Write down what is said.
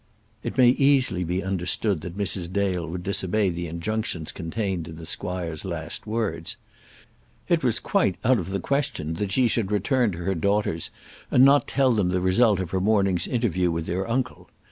It may easily be understood that Mrs. Dale would disobey the injunctions contained in the squire's last words. It was quite out of the question that she should return to her daughters and not tell them the result of her morning's interview with their uncle.